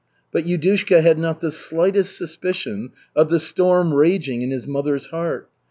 But Yudushka had not the slightest suspicion of the storm raging in his mother's heart.